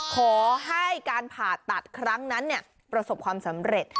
ขอให้การผ่าตัดครั้งนั้นประสบความสำเร็จ